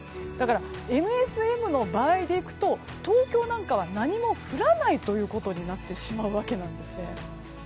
だから、ＭＳＭの場合でいくと東京なんかは何も降らないことになってしまうわけです。